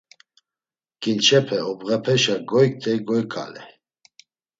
Ǩinç̌epe obğepeşa goyǩtey goyǩaley.